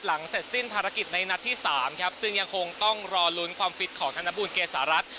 เสร็จสิ้นภารกิจในนัดที่๓ครับซึ่งยังคงต้องรอลุ้นความฟิตของธนบูลเกษารัฐ